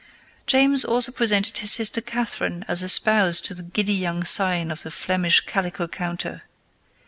James also presented his sister Catherine as a spouse to the giddy young scion of the Flemish calico counter.